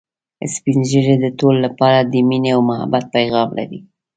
سپین ږیری د ټولو لپاره د ميني او محبت پیغام لري